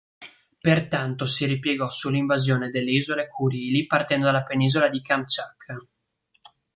Pertanto si ripiegò sull'invasione delle Isole Curili partendo dalla penisola di Kamchatcka.